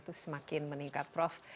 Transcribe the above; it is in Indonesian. itu semakin meningkat prof